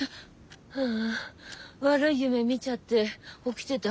ううん悪い夢みちゃって起きてた。